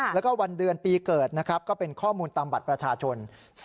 แล้วก็วันเดือนปีเกิดนะครับก็เป็นข้อมูลตามบัตรประชาชน